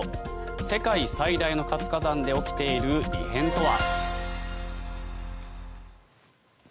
世界最大の活火山で起きている異変とは。